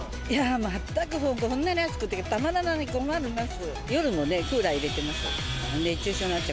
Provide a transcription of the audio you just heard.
全く、こんなに暑くてたまらない、困ります。